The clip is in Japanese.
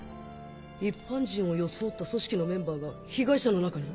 一般人を装った組織のメンバーが被害者の中に？